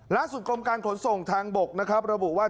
ล่าสุดกรมการขนส่งทางบกระบุว่า